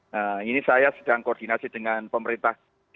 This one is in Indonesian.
nah ini saya sedang koordinasi dengan pemerintah